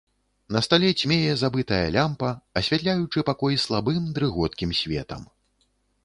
На стале цьмее забытая лямпа, асвятляючы пакой слабым дрыготкім светам.